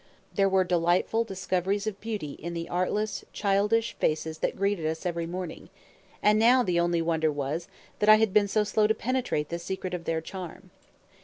There were delightful discoveries of beauty in the artless, childish faces that greeted us every morning; and now the only wonder was that I had been so slow to penetrate the secret of their charm.